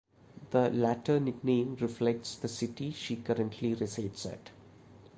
The latter nickname reflects the city she currently resides at.